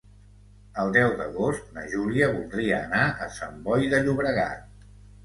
El deu d'agost na Júlia voldria anar a Sant Boi de Llobregat.